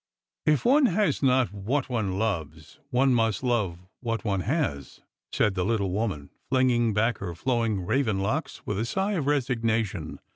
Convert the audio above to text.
" If one has not what one loves, one must love what one has," said the little woman, flinging back her flowing raven locks with a sigh of resignation.